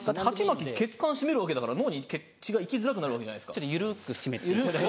血管締めるわけだから脳に血が行きづらくなるわけじゃないですか緩く締めて。